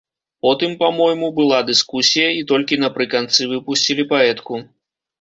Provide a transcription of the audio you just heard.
Потым, па-мойму, была дыскусія, і толькі напрыканцы выпусцілі паэтку.